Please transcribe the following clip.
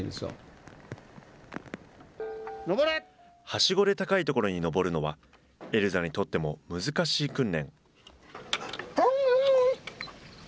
はしごで高い所に登るのは、エルザにとっても難しい訓練。